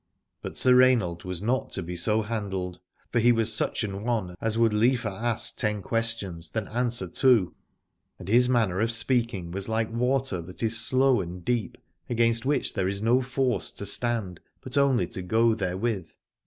But Sir Rainald was not to be so handled : for he was such an one as would liever ask ten questions than answer two, and his manner of speaking was like water that is slow and deep, against which there is no force to stand, but only to go therewith.